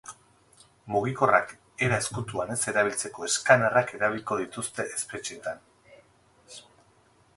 Mugikorrak era ezkutuan ez erabiltzeko eskanerrak erabiliko dituzte espetxeetan.